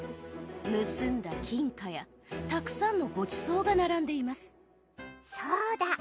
盗んだ金貨やたくさんのごちそうが並んでいますそうだ。